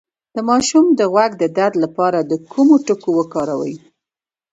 د ماشوم د غوږ د درد لپاره د ګرمو تکو وکاروئ